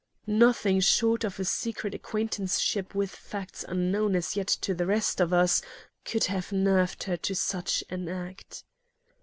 Nothing, short of a secret acquaintanceship with facts unknown as yet to the rest of us, could have nerved her to such an act.